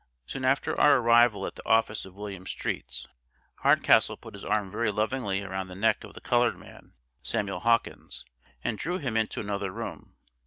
Soon after our arrival at the office of William Streets, Hardcastle put his arm very lovingly around the neck of the colored man, Samuel Hawkins, and drew him into another room.